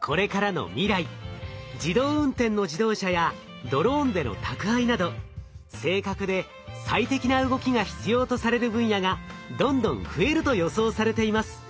これからの未来自動運転の自動車やドローンでの宅配など正確で最適な動きが必要とされる分野がどんどん増えると予想されています。